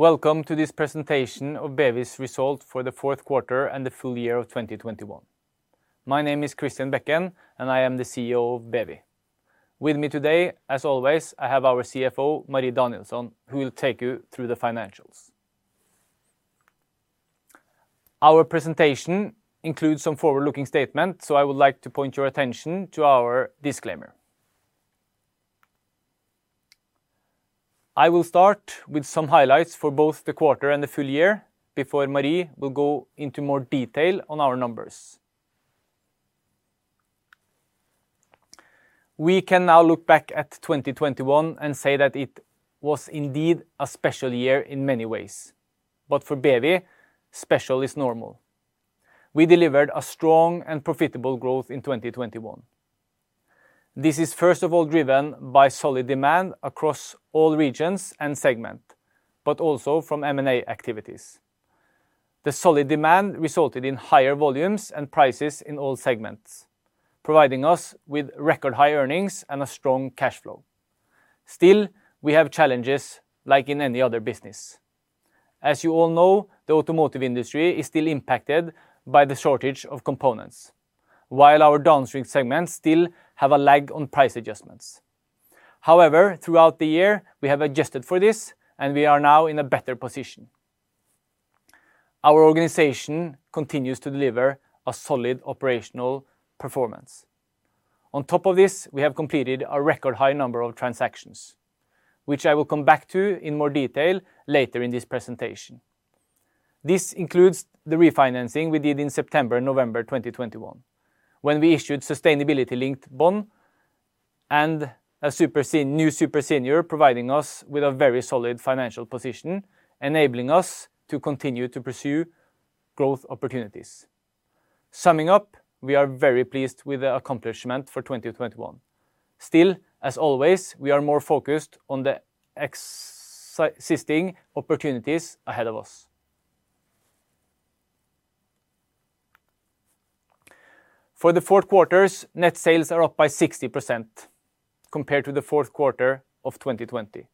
Welcome to this presentation of BEWi's results for the fourth quarter and the full year of 2021. My name is Christian Bekken, and I am the CEO of BEWi. With me today, as always, I have our CFO, Marie Danielsson, who will take you through the financials. Our presentation includes some forward-looking statements, so I would like to point your attention to our disclaimer. I will start with some highlights for both the quarter and the full year before Marie will go into more detail on our numbers. We can now look back at 2021 and say that it was indeed a special year in many ways. For BEWi, special is normal. We delivered a strong and profitable growth in 2021. This is first of all driven by solid demand across all regions and segments, but also from M&A activities. The solid demand resulted in higher volumes and prices in all segments, providing us with record high earnings and a strong cash flow. Still, we have challenges like in any other business. As you all know, the automotive industry is still impacted by the shortage of components, while our downstream segments still have a lag on price adjustments. However, throughout the year, we have adjusted for this, and we are now in a better position. Our organization continues to deliver a solid operational performance. On top of this, we have completed a record high number of transactions, which I will come back to in more detail later in this presentation. This includes the refinancing we did in September and November 2021, when we issued sustainability-linked bond and a new super senior providing us with a very solid financial position, enabling us to continue to pursue growth opportunities. Summing up, we are very pleased with the accomplishment for 2021. Still, as always, we are more focused on the existing opportunities ahead of us. For the fourth quarter, net sales are up by 60% compared to the fourth quarter of 2020.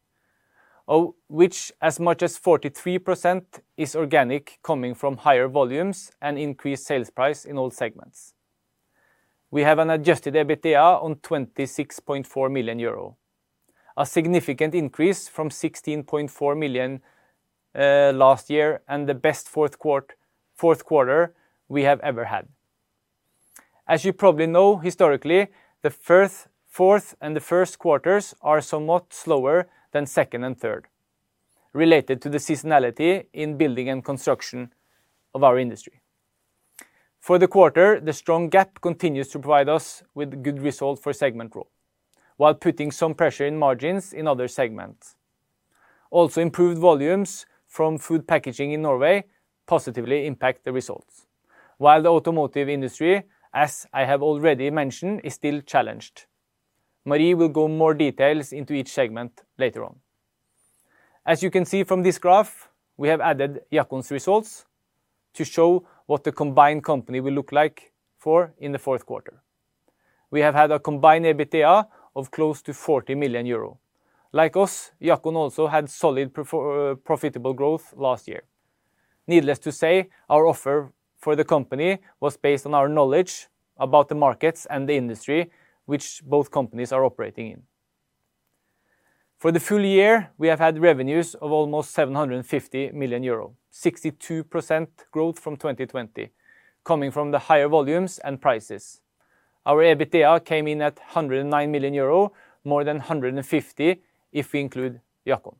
Which as much as 43% is organic coming from higher volumes and increased sales price in all segments. We have an adjusted EBITDA of 26.4 million euro, a significant increase from 16.4 million last year and the best fourth quarter we have ever had. As you probably know, historically, the fourth and the first quarters are somewhat slower than second and third, related to the seasonality in building and construction of our industry. For the quarter, the strong gap continues to provide us with good results for segment growth, while putting some pressure in margins in other segments. Improved volumes from food packaging in Norway positively impact the results. While the automotive industry, as I have already mentioned, is still challenged. Marie will go into more details into each segment later on. As you can see from this graph, we have added Jackon's results to show what the combined company will look like in the fourth quarter. We have had a combined EBITDA of close to 40 million euro. Like us, Jackon also had solid profitable growth last year. Needless to say, our offer for the company was based on our knowledge about the markets and the industry which both companies are operating in. For the full year, we have had revenues of almost 750 million euro, 62% growth from 2020, coming from the higher volumes and prices. Our EBITDA came in at 109 million euro, more than 150 million if we include Jackon.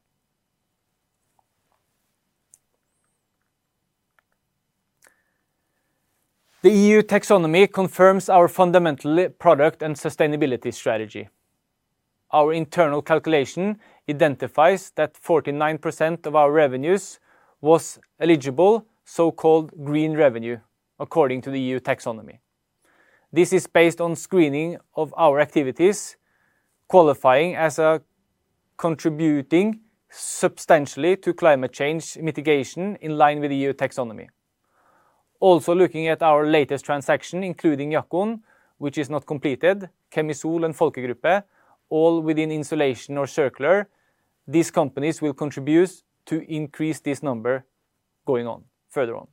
The EU taxonomy confirms our fundamental product and sustainability strategy. Our internal calculation identifies that 49% of our revenues was eligible, so-called green revenue, according to the EU taxonomy. This is based on screening of our activities qualifying as contributing substantially to climate change mitigation in line with the EU taxonomy. Also, looking at our latest transaction, including Jackon, which is not completed, Kemisol and Volker Gruppe, all within insulation or circular, these companies will contribute to increase this number going forward.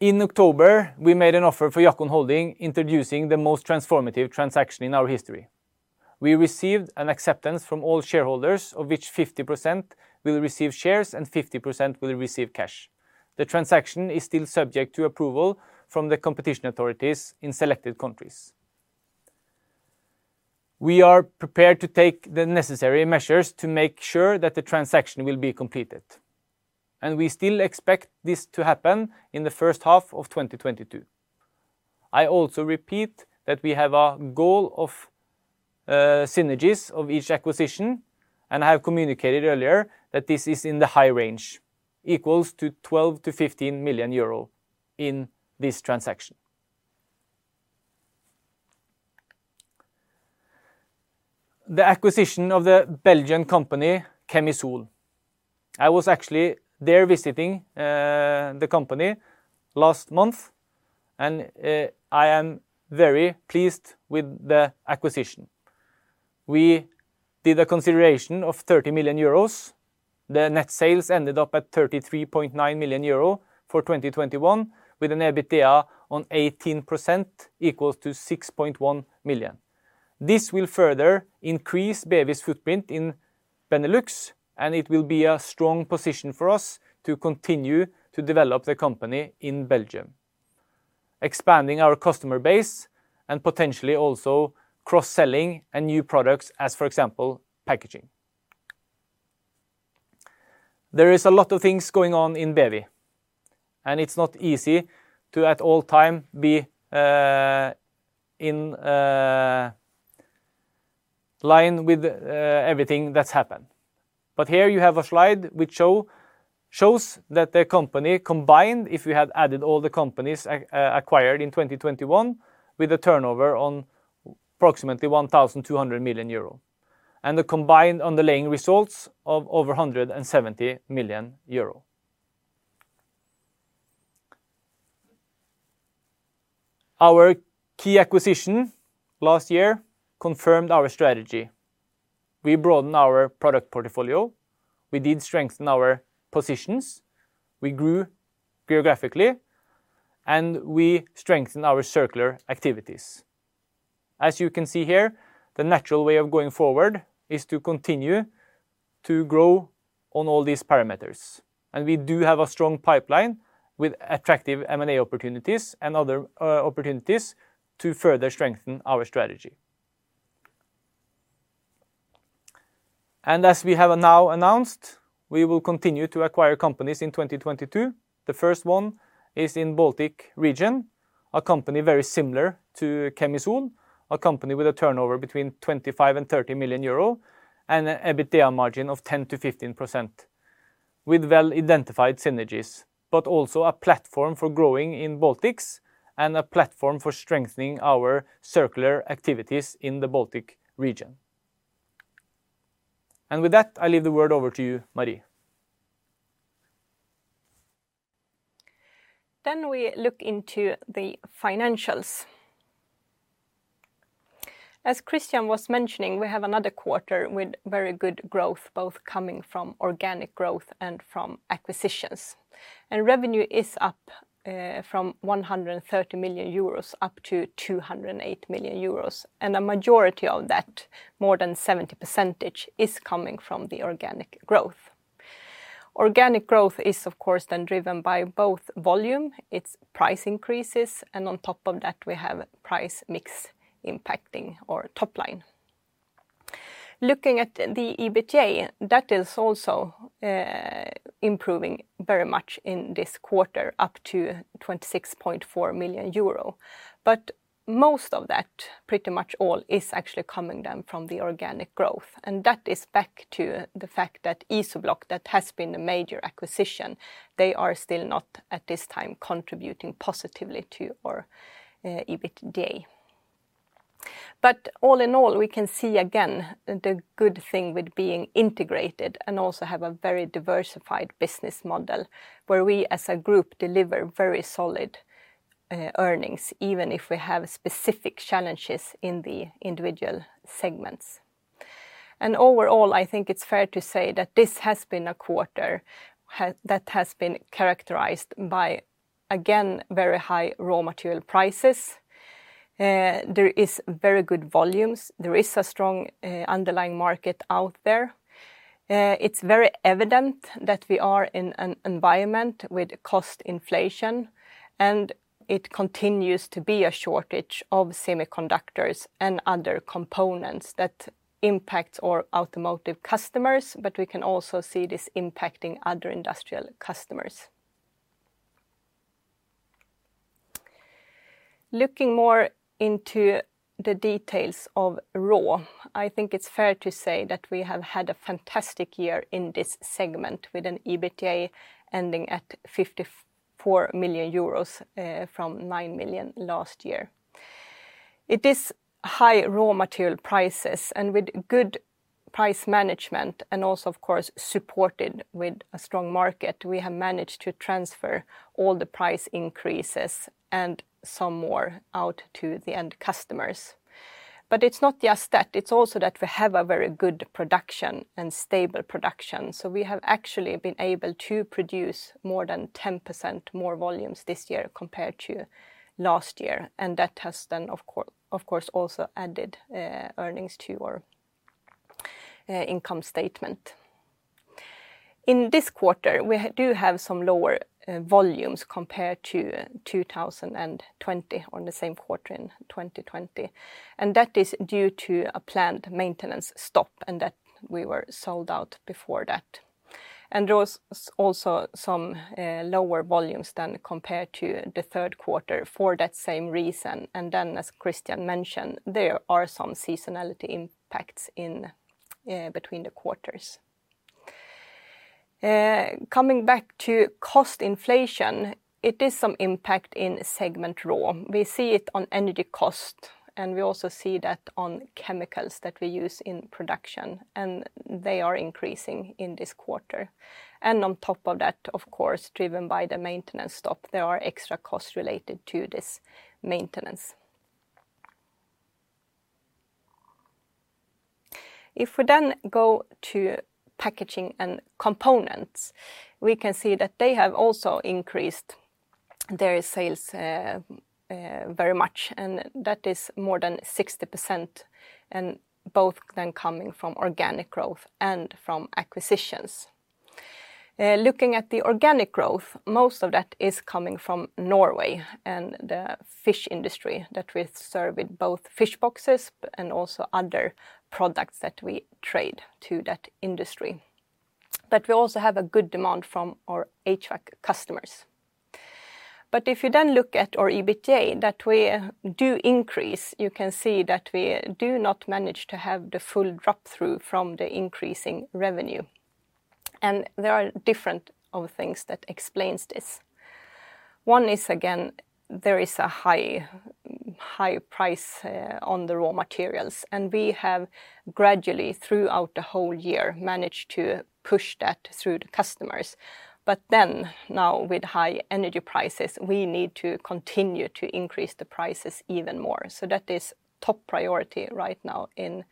In October, we made an offer for Jackon Holding, introducing the most transformative transaction in our history. We received an acceptance from all shareholders, of which 50% will receive shares and 50% will receive cash. The transaction is still subject to approval from the competition authorities in selected countries. We are prepared to take the necessary measures to make sure that the transaction will be completed, and we still expect this to happen in the first half of 2022. I also repeat that we have a goal of synergies of each acquisition, and I have communicated earlier that this is in the high range, equals to 12 million-15 million euro in this transaction. The acquisition of the Belgian company, Kemisol. I was actually there visiting the company last month, and I am very pleased with the acquisition. We did a consideration of 30 million euros. The net sales ended up at 33.9 million euro for 2021, with an EBITDA on 18% equal to 6.1 million. This will further increase BEWi's footprint in Benelux, and it will be a strong position for us to continue to develop the company in Belgium, expanding our customer base and potentially also cross-selling and new products as, for example, packaging. There is a lot of things going on in BEWi, and it's not easy to at all time be in line with everything that's happened. Here you have a slide which shows that the company combined, if you had added all the companies acquired in 2021, with a turnover on approximately 1,200 million euro, and the combined underlying results of over 170 million euro. Our key acquisition last year confirmed our strategy. We broaden our product portfolio, we did strengthen our positions, we grew geographically, and we strengthen our circular activities. As you can see here, the natural way of going forward is to continue to grow on all these parameters, and we do have a strong pipeline with attractive M&A opportunities and other opportunities to further strengthen our strategy. As we have now announced, we will continue to acquire companies in 2022. The first one is in Baltic region, a company very similar to Kemisol, a company with a turnover between 25 million and 30 million euro and EBITDA margin of 10%-15%, with well-identified synergies, but also a platform for growing in Baltics and a platform for strengthening our circular activities in the Baltic region. With that, I leave the word over to you, Marie. We look into the financials. As Christian was mentioning, we have another quarter with very good growth, both coming from organic growth and from acquisitions. Revenue is up from 130 million euros up to 208 million euros. A majority of that, more than 70%, is coming from the organic growth. Organic growth is, of course, then driven by both volume, it's price increases, and on top of that, we have price mix impacting our top line. Looking at the EBITDA, that is also improving very much in this quarter, up to 26.4 million euro. Most of that, pretty much all, is actually coming down from the organic growth. That is back to the fact that IZOBLOK, that has been a major acquisition, they are still not at this time contributing positively to our EBITDA. But all in all, we can see again the good thing with being integrated and also have a very diversified business model, where we as a group deliver very solid earnings, even if we have specific challenges in the individual segments. Overall, I think it's fair to say that this has been a quarter that has been characterized by, again, very high raw material prices. There is very good volumes. There is a strong underlying market out there. It's very evident that we are in an environment with cost inflation, and it continues to be a shortage of semiconductors and other components that impacts our automotive customers, but we can also see this impacting other industrial customers. Looking more into the details of RAW, I think it's fair to say that we have had a fantastic year in this segment with an EBITA ending at 54 million euros from 9 million last year. It is high raw material prices, and with good price management, and also of course, supported with a strong market, we have managed to transfer all the price increases and some more out to the end customers. It's not just that, it's also that we have a very good production and stable production. We have actually been able to produce more than 10% more volumes this year compared to last year. That has, of course, also added earnings to our income statement. In this quarter, we do have some lower volumes compared to 2020, on the same quarter in 2020. That is due to a planned maintenance stop, and that we were sold out before that. There was also some lower volumes than compared to the third quarter for that same reason. As Christian mentioned, there are some seasonality impacts in between the quarters. Coming back to cost inflation, it is some impact in segment RAW. We see it on energy cost, and we also see that on chemicals that we use in production, and they are increasing in this quarter. On top of that, of course, driven by the maintenance stop, there are extra costs related to this maintenance. If we then go to Packaging and Components, we can see that they have also increased their sales, very much, and that is more than 60% and both then coming from organic growth and from acquisitions. Looking at the organic growth, most of that is coming from Norway and the fish industry that we serve with both fish boxes and also other products that we trade to that industry. We also have a good demand from our HVAC customers. If you then look at our EBITDA, that we do increase, you can see that we do not manage to have the full drop-through from the increasing revenue. There are a number of things that explain this. One is, again, there is a high price on the raw materials, and we have gradually, throughout the whole year, managed to push that through the customers. Now with high energy prices, we need to continue to increase the prices even more. That is top priority right now in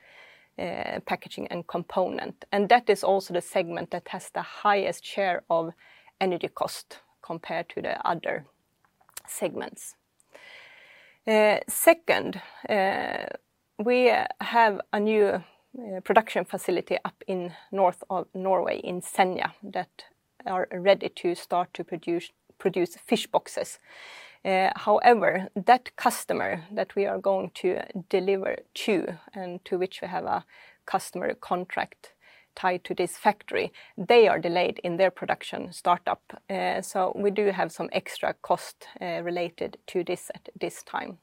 Packaging and Components. That is also the segment that has the highest share of energy cost compared to the other segments. Second, we have a new production facility up in north of Norway, in Senja, that are ready to start to produce fish boxes. However, that customer that we are going to deliver to and to which we have a customer contract tied to this factory, they are delayed in their production startup, so we do have some extra cost related to this at this time.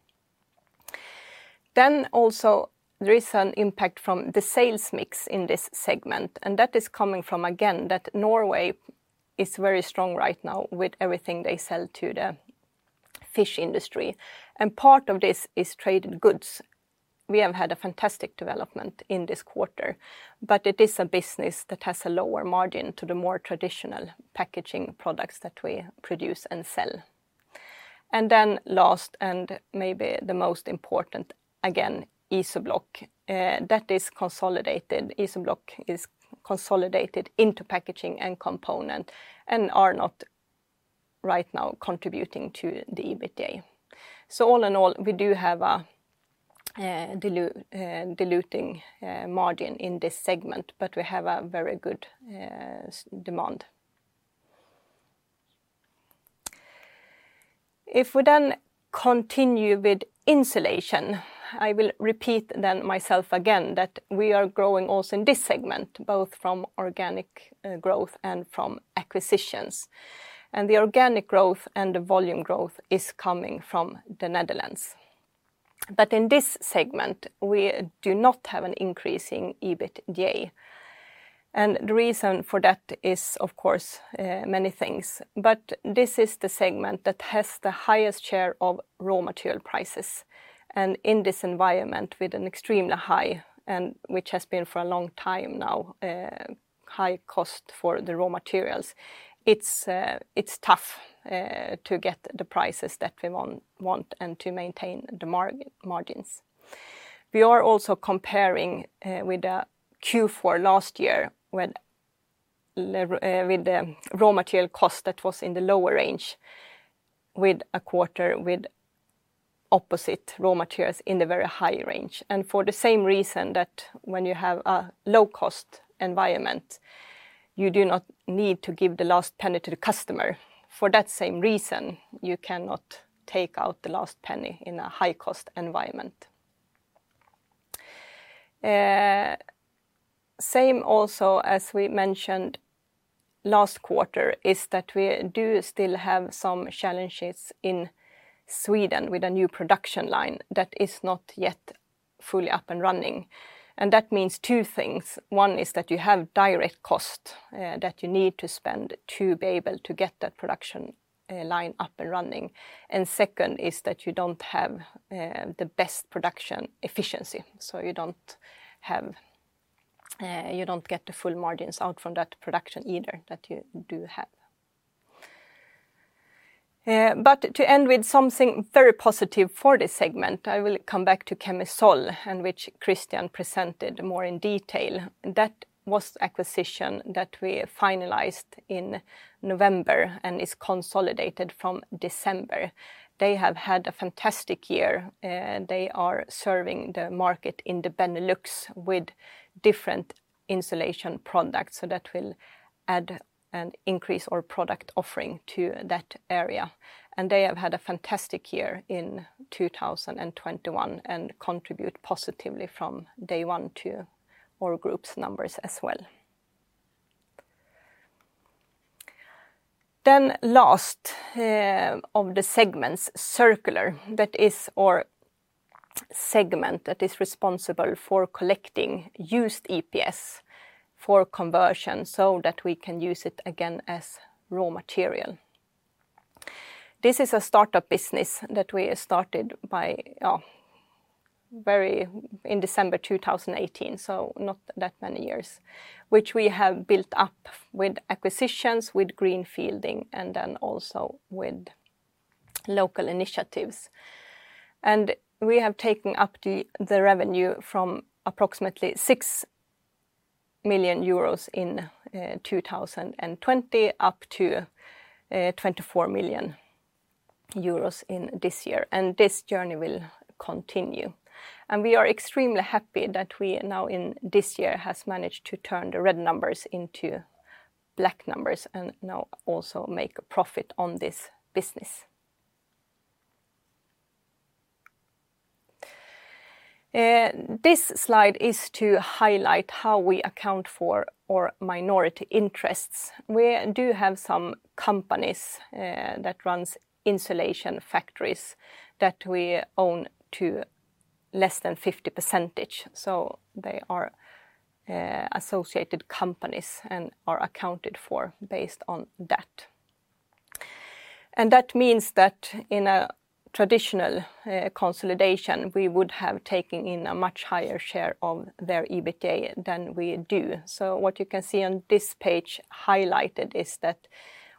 Also there is an impact from the sales mix in this segment, and that is coming from, again, that Norway is very strong right now with everything they sell to the fish industry. Part of this is traded goods. We have had a fantastic development in this quarter, but it is a business that has a lower margin to the more traditional packaging products that we produce and sell. Last, and maybe the most important, again, IZOBLOK that is consolidated. IZOBLOK is consolidated into Packaging & Components and are not right now contributing to the EBITA. All in all, we do have a diluting margin in this segment, but we have a very good demand. If we then continue with insulation, I will repeat then myself again that we are growing also in this segment, both from organic growth and from acquisitions. The organic growth and the volume growth is coming from the Netherlands. In this segment, we do not have an increase in EBITDA. The reason for that is, of course, many things, but this is the segment that has the highest share of raw material prices. In this environment, with an extremely high, and which has been for a long time now, high cost for the raw materials, it's tough to get the prices that we want and to maintain the margins. We are also comparing with Q4 last year with the raw material cost that was in the lower range, with a quarter with opposite raw materials in the very high range. For the same reason that when you have a low-cost environment, you do not need to give the last penny to the customer, for that same reason, you cannot take out the last penny in a high-cost environment. Same also as we mentioned last quarter is that we do still have some challenges in Sweden with a new production line that is not yet fully up and running, and that means two things. One is that you have direct cost that you need to spend to be able to get that production line up and running. Second is that you don't have the best production efficiency, so you don't get the full margins out from that production either that you do have. To end with something very positive for this segment, I will come back to Kemisol, which Christian presented more in detail. That was acquisition that we finalized in November and is consolidated from December. They have had a fantastic year, they are serving the market in the Benelux with different insulation products, so that will add and increase our product offering to that area. They have had a fantastic year in 2021 and contribute positively from day one to our group's numbers as well. Last of the segments, Circular, that is our segment that is responsible for collecting used EPS for conversion so that we can use it again as raw material. This is a startup business that we started back in December 2018, so not that many years, which we have built up with acquisitions, with greenfielding, and then also with local initiatives. We have taken up the revenue from approximately 6 million euros in 2020 up to 24 million euros in this year. This journey will continue. We are extremely happy that we now in this year has managed to turn the red numbers into black numbers and now also make a profit on this business. This slide is to highlight how we account for our minority interests. We do have some companies that runs insulation factories that we own to less than 50%, so they are associated companies and are accounted for based on that. That means that in a traditional consolidation, we would have taken in a much higher share of their EBITDA than we do. What you can see on this page highlighted is that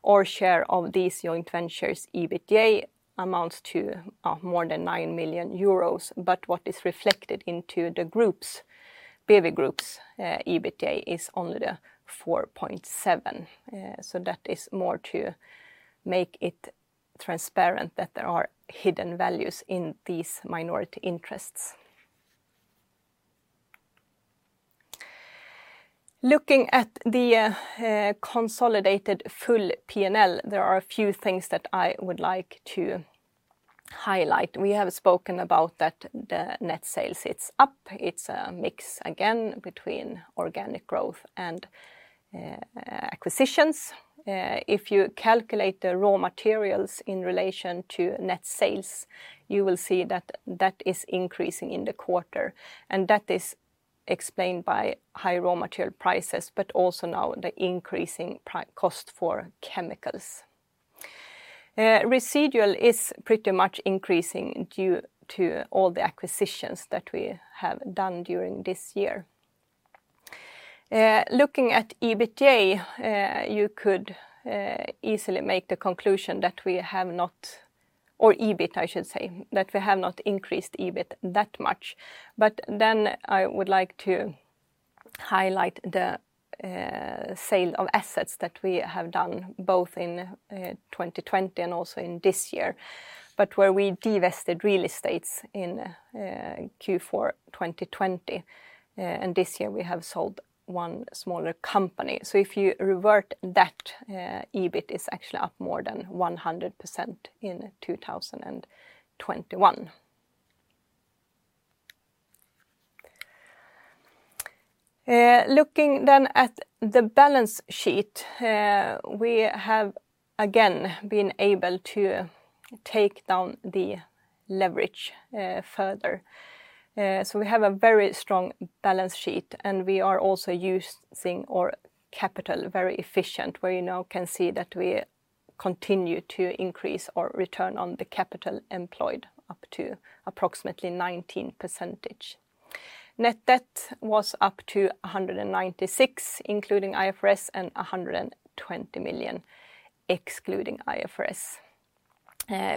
our share of these joint ventures' EBITDA amounts to more than 9 million euros, but what is reflected into the group's BEWi group's EBITDA is only the 4.7. That is more to make it transparent that there are hidden values in these minority interests. Looking at the consolidated full P&L, there are a few things that I would like to highlight. We have spoken about that the net sales, it's up, it's a mix again between organic growth and acquisitions. If you calculate the raw materials in relation to net sales, you will see that that is increasing in the quarter, and that is explained by high raw material prices, but also now the increasing cost for chemicals. Residual is pretty much increasing due to all the acquisitions that we have done during this year. Looking at EBITDA, you could easily make the conclusion that we have not, or EBITDA, I should say, that we have not increased EBITDA that much. I would like to highlight the sale of assets that we have done both in 2020 and also in this year, but where we divested real estates in Q4 2020, and this year we have sold one smaller company. If you revert that, EBITDA is actually up more than 100% in 2021. Looking then at the balance sheet, we have again been able to take down the leverage further. We have a very strong balance sheet, and we are also using our capital very efficient, where you now can see that we continue to increase our return on the capital employed up to approximately 19%. Net debt was up to 196 million including IFRS, and 120 million excluding IFRS.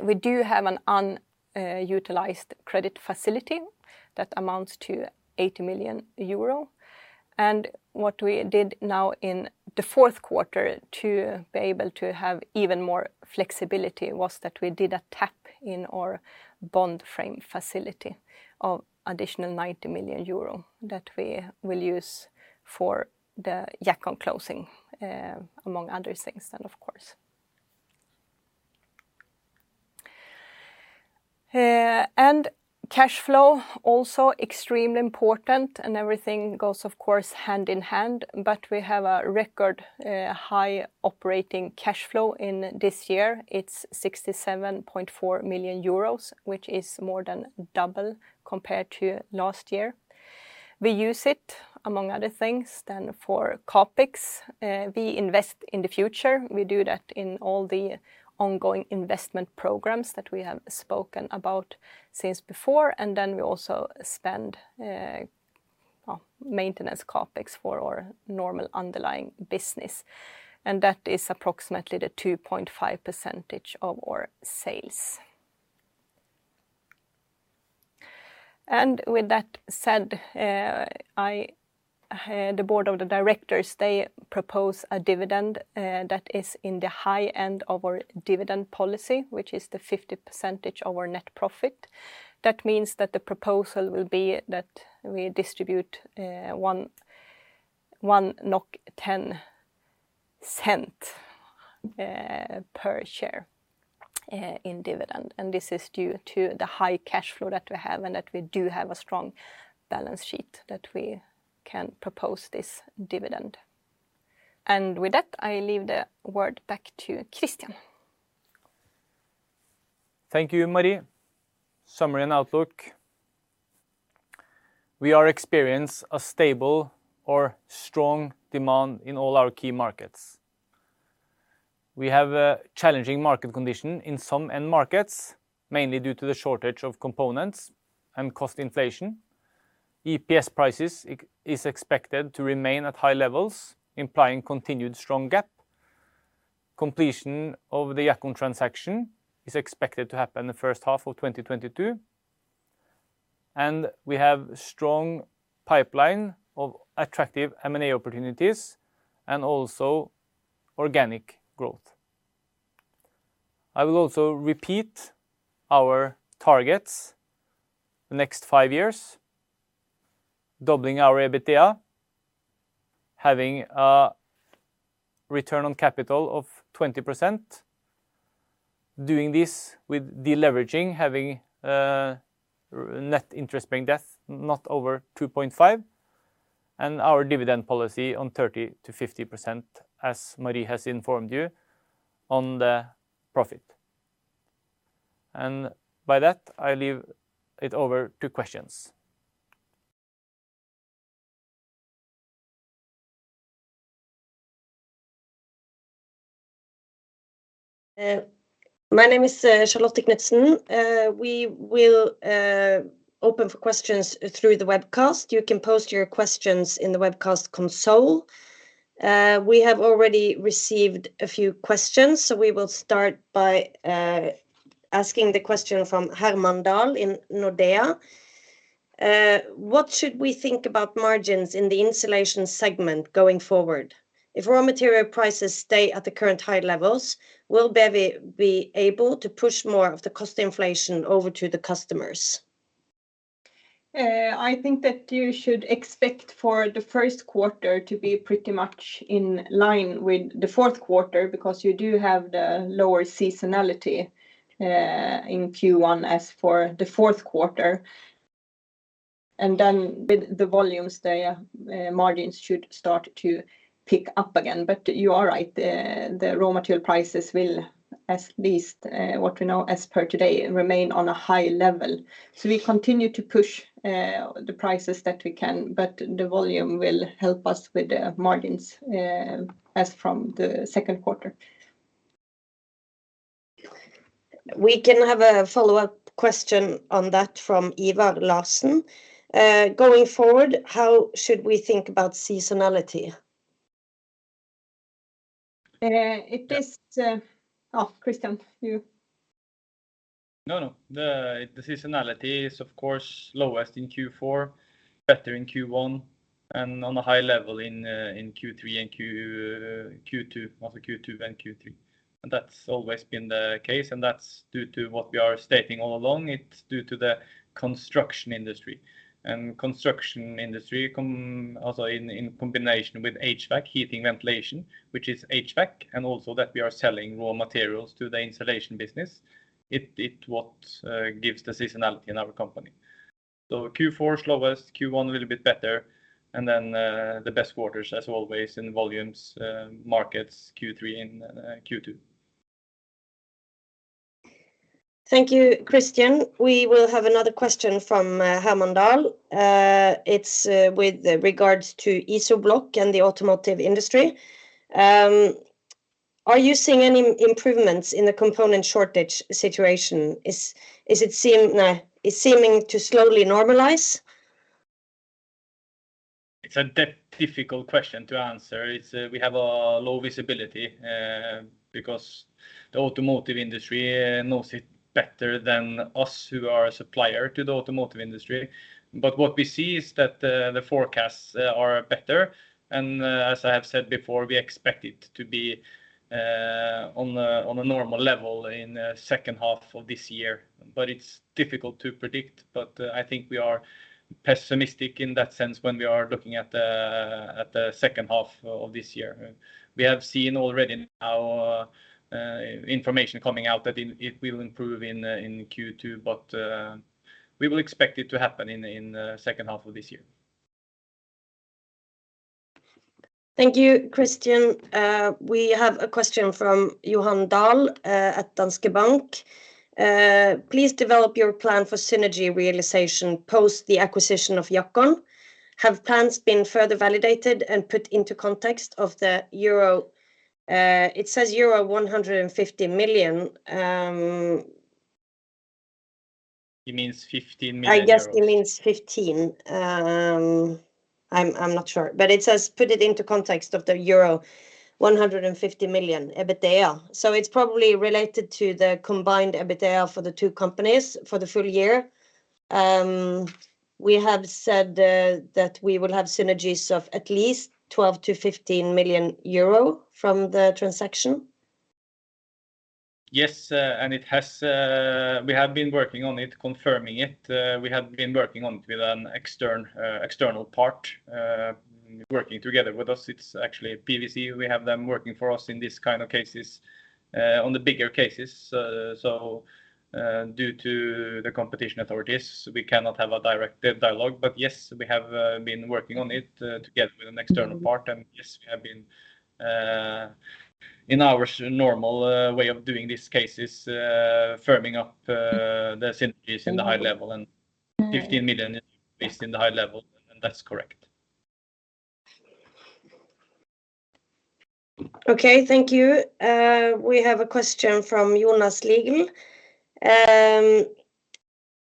We do have an unused credit facility that amounts to 80 million euro. What we did now in the fourth quarter to be able to have even more flexibility was that we did a tap in our bond frame facility of additional 90 million euro that we will use for the Jackon closing, among other things then, of course. Cash flow also extremely important and everything goes, of course, hand in hand, but we have a record high operating cash flow in this year. It's 67.4 million euros, which is more than double compared to last year. We use it, among other things, to for CapEx. We invest in the future. We do that in all the ongoing investment programs that we have spoken about since before, and then we also spend maintenance CapEx for our normal underlying business, and that is approximately 2.5% of our sales. With that said, the Board of Directors propose a dividend that is in the high end of our dividend policy, which is the 50% of our net profit. That means that the proposal will be that we distribute 1.10 NOK per share in dividend, and this is due to the high cash flow that we have and that we do have a strong balance sheet that we can propose this dividend. With that, I leave the word back to Christian. Thank you, Marie. Summary and outlook. We are experiencing a stable or strong demand in all our key markets. We have a challenging market condition in some end markets, mainly due to the shortage of components and cost inflation. EPS prices are expected to remain at high levels, implying continued strong GAAP. Completion of the Jackon transaction is expected to happen the first half of 2022. We have strong pipeline of attractive M&A opportunities and also organic growth. I will also repeat our targets for the next five years, doubling our EBITDA, having a return on capital of 20%, doing this with deleveraging, having net interest-bearing debt not over 2.5, and our dividend policy on 30%-50%, as Marie has informed you, on the profit. By that, I leave it over to questions. My name is Charlotte Knudsen. We will open for questions through the webcast. You can post your questions in the webcast console. We have already received a few questions, so we will start by asking the question from Herman Dahl in Nordea. What should we think about margins in the insulation segment going forward? If raw material prices stay at the current high levels, will BEWi be able to push more of the cost inflation over to the customers? I think that you should expect for the first quarter to be pretty much in line with the fourth quarter because you do have the lower seasonality in Q1 as for the fourth quarter. Then with the volumes, the margins should start to pick up again. You are right. The raw material prices will, at least, what we know as per today, remain on a high level. We continue to push the prices that we can, but the volume will help us with the margins as from the second quarter. We can have a follow-up question on that from Eva Larsson. Going forward, how should we think about seasonality? Oh, Christian, you. No, no. The seasonality is, of course, lowest in Q4, better in Q1, and on a high level in Q3 and Q2, also Q2 and Q3. That's always been the case, and that's due to what we are stating all along. It's due to the construction industry also in combination with HVAC, heating ventilation, which is HVAC, and also that we are selling raw materials to the installation business, which gives the seasonality in our company. Q4 is lowest, Q1 a little bit better, and then the best quarters, as always, in volumes, markets, Q3 and Q2. Thank you, Christian. We will have another question from Herman Dahl. It's with regards to IZOBLOK and the automotive industry. Are you seeing any improvements in the component shortage situation? Is it seeming to slowly normalize? It's a difficult question to answer. It's we have a low visibility because the automotive industry knows it better than us who are a supplier to the automotive industry. What we see is that the forecasts are better, and as I have said before, we expect it to be on a normal level in second half of this year. It's difficult to predict. I think we are pessimistic in that sense when we are looking at the second half of this year. We have seen already now information coming out that it will improve in Q2, but we will expect it to happen in second half of this year. Thank you, Christian. We have a question from Johan Dahl at Danske Bank. Please develop your plan for synergy realization post the acquisition of Jackon. Have plans been further validated and put into context of the euro? It says euro 150 million. He means 15 million. I guess he means 15. I'm not sure. It says put it into context of the euro 150 million EBITDA. It's probably related to the combined EBITDA for the two companies for the full year. We have said that we will have synergies of at least 12 million-15 million euro from the transaction. Yes, it has. We have been working on it, confirming it. We have been working on it with an external part working together with us, it's actually PwC. We have them working for us in these kind of cases, on the bigger cases. Due to the competition authorities, we cannot have a direct dialogue. Yes, we have been working on it together with an external part. Mm-hmm. Yes, we have been in our normal way of doing these cases, firming up the synergies. Mm-hmm in the high level. Mm-hmm. 15 million is based in the high level, and that's correct. Okay, thank you. We have a question from Jonas Lignell.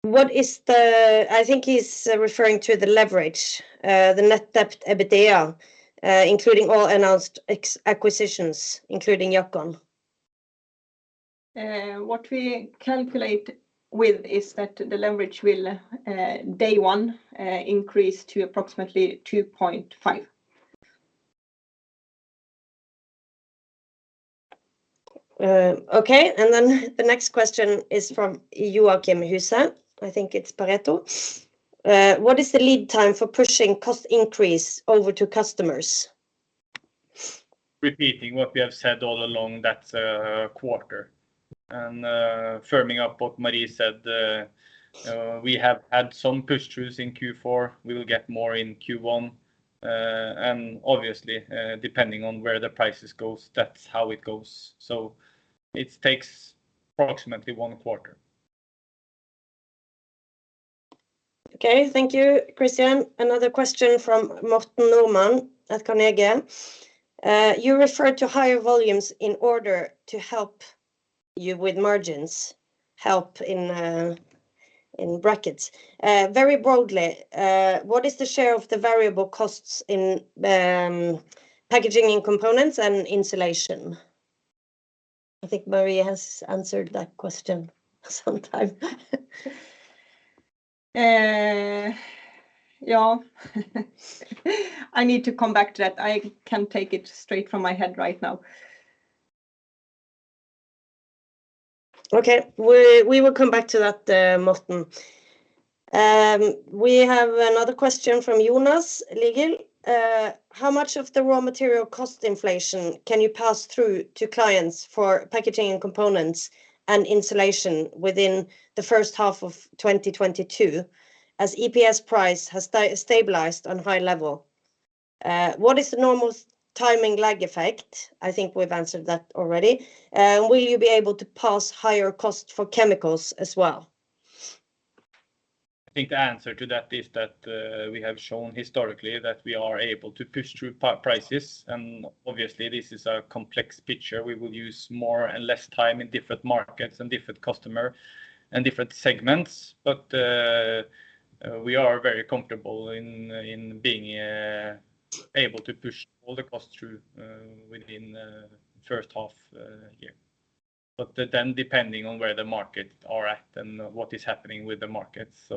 What is the, I think he's referring to the leverage, the net debt EBITDA, including all announced acquisitions, including Jackon. What we calculate with is that the leverage will, day one, increase to approximately 2.5. Okay. The next question is from Joachim Huse. I think it's Pareto. What is the lead time for pushing cost increase over to customers? Repeating what we have said all along, that's a quarter. Firming up what Marie said, we have had some push throughs in Q4. We will get more in Q1. Obviously, depending on where the prices goes, that's how it goes. It takes approximately one quarter. Okay. Thank you, Christian. Another question from Morten Normann at Carnegie. You referred to higher volumes in order to help you with margins in brackets. Very broadly, what is the share of the variable costs in Packaging & Components and insulation? I think Marie has answered that question sometime. Yeah. I need to come back to that. I can't take it straight from my head right now. We will come back to that, Morten. We have another question from Jonas Lignell. How much of the raw material cost inflation can you pass through to clients for Packaging and Components and insulation within the first half of 2022, as EPS price has stabilized on high level? What is the normal timing lag effect? I think we've answered that already. Will you be able to pass higher costs for chemicals as well? I think the answer to that is that we have shown historically that we are able to push through prices, and obviously this is a complex picture. We will use more or less time in different markets and different customers and different segments. We are very comfortable in being able to push all the costs through within the first half of the year, then depending on where the markets are at and what is happening with the markets.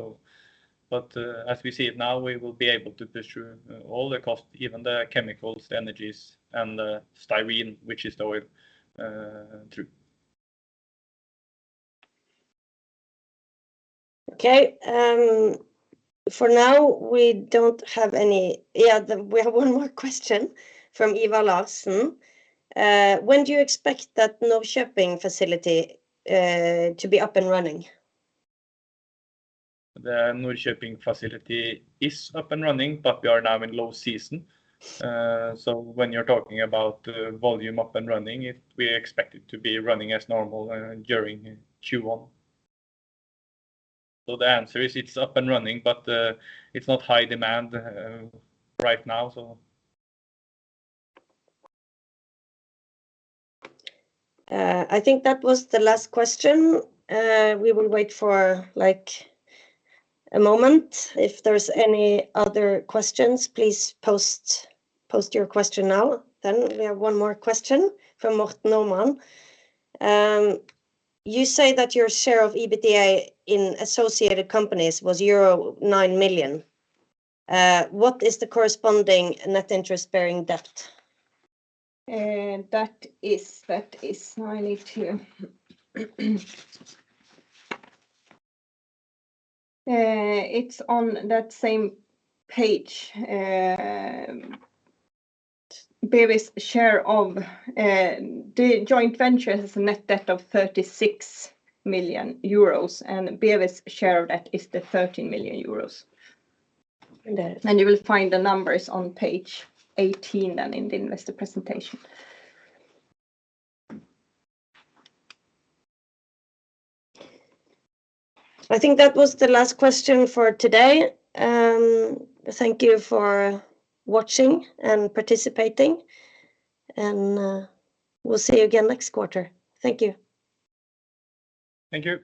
As we see it now, we will be able to push through all the costs, even the chemicals, the energy, and the styrene, which is the oil, through. Okay. For now, we don't have any. We have one more question from Eva Larsson. When do you expect that Norrköping facility to be up and running? The Norrköping facility is up and running, but we are now in low season. When you're talking about volume up and running, we expect it to be running as normal during Q1. The answer is it's up and running, but it's not high demand right now. I think that was the last question. We will wait for, like, a moment. If there's any other questions, please post your question now. We have one more question from Morten Normann. You say that your share of EBITDA in associated companies was euro 9 million. What is the corresponding net interest-bearing debt? It's on that same page. BEWi's share of the joint venture has a net debt of 36 million euros, and BEWi's share of that is the 13 million euros. There it is. You will find the numbers on page 18, then, in the investor presentation. I think that was the last question for today. Thank you for watching and participating, and we'll see you again next quarter. Thank you. Thank you.